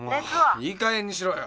いいかげんにしろよ